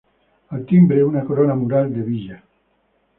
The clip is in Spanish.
Al timbre, una corona mural de villa.